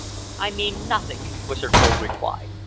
"I mean nothing," was her cold reply.